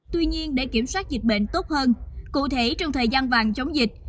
tuy nhiên để kiểm soát dịch bệnh tốt hơn cụ thể trong thời gian vàng chống dịch